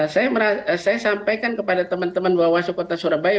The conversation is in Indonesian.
saya sampaikan kepada teman teman bawaslu kota surabaya